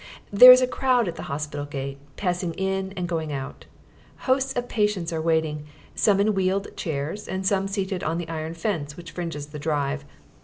There is a crowd at the hospital gate, passing in and going out; hosts of patients are waiting, some in wheeled chairs and some seated on the iron fence which fringes the drive.